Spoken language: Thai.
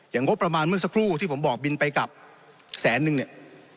งบประมาณเมื่อสักครู่ที่ผมบอกบินไปกลับแสนนึงเนี่ย